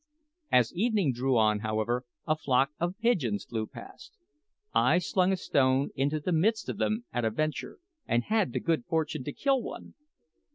As evening drew on however, a flock of pigeons flew past. I slung a stone into the midst of them at a venture, and had the good fortune to kill one.